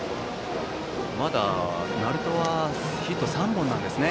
まだ鳴門はヒット３本なんですね。